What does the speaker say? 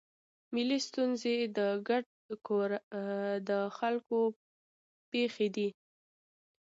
ملي ستونزې د ګډ کور د خلکو پېښې دي.